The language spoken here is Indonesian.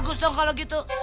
bagus dong kalau gitu